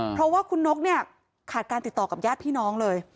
เพราะว่าคุณนกเนี่ยขาดการติดต่อกับญาติพี่น้องเลย